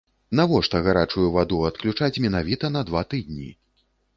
Навошта гарачую ваду адключаць менавіта на два тыдні?